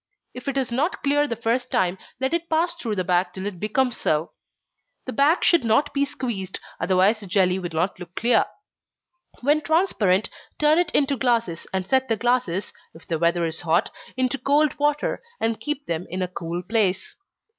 If it is not clear the first time, let it pass through the bag till it becomes so. The bag should not be squeezed, otherwise the jelly will not look clear. When transparent, turn it into glasses, and set the glasses, if the weather is hot, into cold water, and keep them in a cool place.